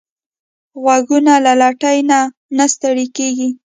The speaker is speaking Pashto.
غوږونه له لټۍ نه نه ستړي کېږي